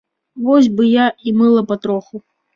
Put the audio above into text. Вось бы я і мыла патроху.